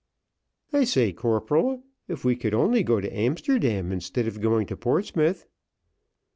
"I say corporal, if we only could go to Amsterdam instead of going to Portsmouth."